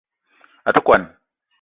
A te kwuan